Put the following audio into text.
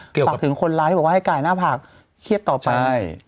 เกี่ยวกับภาพถึงคนร้ายที่บอกว่าให้กายหน้าผากเครียดต่อไป